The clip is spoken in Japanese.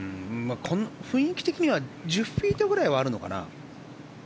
雰囲気的には１０フィートぐらいあるのかな。